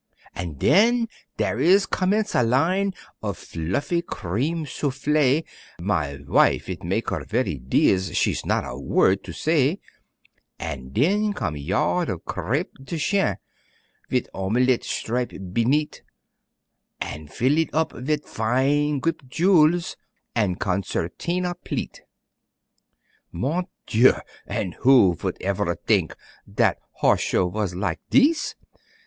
An' den dere is commence a line Of fluffy cream soufflé, My vife it mak' her very diz', She's not a vord to say. An' den com' yard of crêpe de chine, Vit omelette stripe beneadt', All fill it op vit fine guimpe jew'ls An' concertina pleat. Mon Dieu! an' who vould evere t'ink Dat Horse Show vas lak' dese!